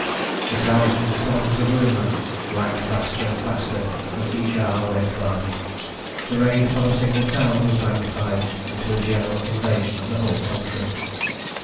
The thousand tongues of rumour wagged faster and faster as each hour went by. The raid upon a single town was magnified into a general invasion of the whole country.